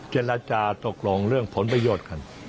เจรจาตกลงเรื่องผลประโยชน์กัน